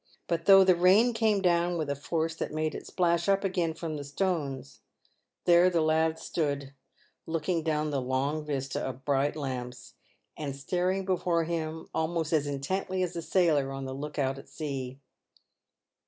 But though the rain came down with a force that made it splash up again from the stones, there the lad stood, looking down the long vista of bright lamps, and staring before him almost as intently as a sailor on the look out at sea.